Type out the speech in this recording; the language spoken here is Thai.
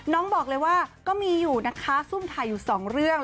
น้องบอกเลยว่าก็มีอยู่นะคะซุ่มถ่ายอยู่สองเรื่อง